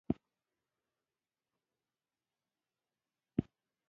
پر یو مرکز به یې ځان اړوه.